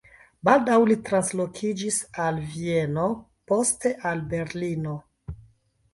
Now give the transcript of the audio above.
Baldaŭ li translokiĝis al Vieno, poste al Berlino.